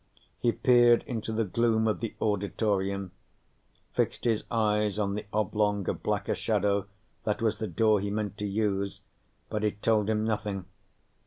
He peered into the gloom of the auditorium, fixed his eyes on the oblong of blacker shadow that was the door he meant to use, but it told him nothing.